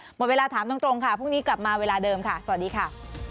หมดเวลาถามตรงค่ะพรุ่งนี้กลับมาเวลาเดิมค่ะสวัสดีค่ะ